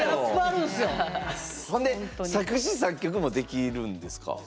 そんで作詞・作曲もできるんですか？